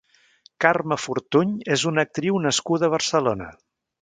Carme Fortuny és una actriu nascuda a Barcelona.